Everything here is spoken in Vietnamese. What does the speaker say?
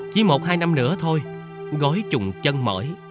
chỉ một hai năm nữa thôi gối trùng chân mởi